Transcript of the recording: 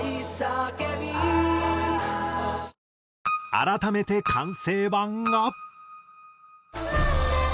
改めて完成版が。